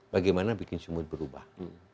bagaimana bikin semuanya berubah